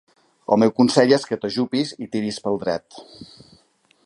El meu consell és que t'ajupis i tiris pel dret.